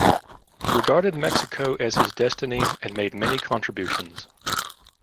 He regarded Mexico as his destiny and made many contributions.